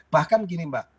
bahkan gini mbak